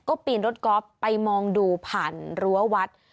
ก็ปีนรถกอล์ฟไปมองดูผ่านรั้ววัด